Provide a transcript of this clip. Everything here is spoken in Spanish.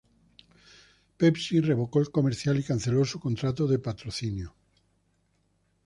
Pepsi revocó el comercial y canceló su contrato de patrocinio.